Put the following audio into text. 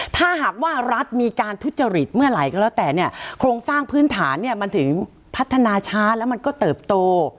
ถ้าหากว่ารัฐมีการทุจริตเมื่อไหร่ก็แล้วแต่เนี่ยโครงสร้างพื้นฐานเนี่ยมันถึงพัฒนาช้าแล้วมันก็เติบโต